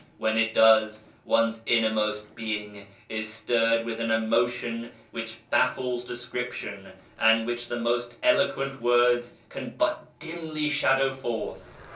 When it does, one's innermost being is stirred with an emotion which baflles description, and which the most eloquent words can but dimly shadow forth.